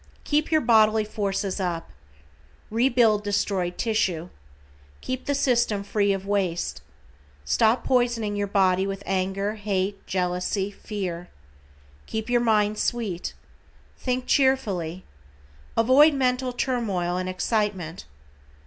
Keep your bodily forces up. Rebuild destroyed tissue. Keep the system free of waste. Stop poisoning your body with anger, hate, jealousy, fear. Keep your mind sweet. Think cheerfully. Avoid mental turmoil and excitement.